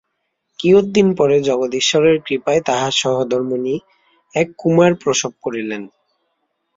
কিয়ৎ দিন পরে জগদীশ্বরের কৃপায় তাঁহার সহধর্মিণী এক কুমার প্রসব করিলেন।